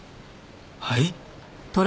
はい？